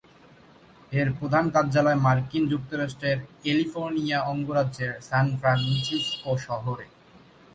এর প্রধান কার্যালয় মার্কিন যুক্তরাষ্ট্রের ক্যালিফোর্নিয়া অঙ্গরাজ্যের সান ফ্রান্সিস্কো শহরে।